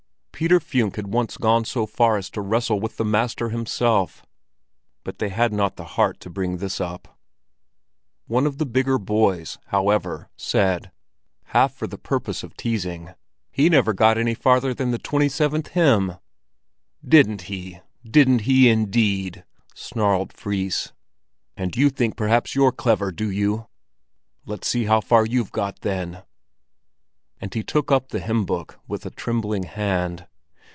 Peter Funck had once gone so far as to wrestle with the master himself, but they had not the heart to bring this up. One of the bigger boys, however, said, half for the purpose of teasing: "He never got any farther than the twenty seventh hymn!" "Didn't he, indeed?" snarled Fris. "Didn't he, indeed? And you think perhaps you're clever, do you? Let's see how far you've got, then!" And he took up the hymn book with a trembling hand.